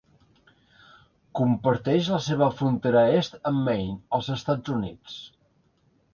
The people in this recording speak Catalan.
Comparteix la seva frontera est amb Maine, els Estats Units.